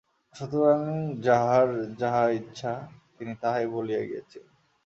সুতরাং যাঁহার যাহা ইচ্ছা, তিনি তাহাই বলিয়া গিয়াছেন।